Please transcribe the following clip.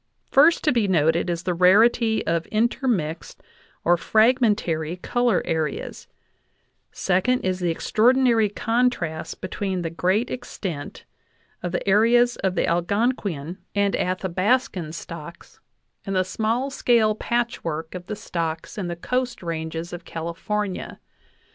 First to be noted is the rarity of intermixed or frag mentary color areas ; second is the extraordinary contrast be tween the great extent of the areas of the Algonquian and 77 NATIONAL ACADEMY BIOGRAPHICAL MEMOIRS VOL. VIII Athabascan stocks and the small scale patchwork of the stocks in the Coast ranges of California.